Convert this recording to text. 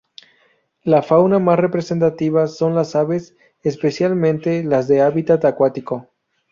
La fauna más representativa son las aves, especialmente las de hábitat acuático.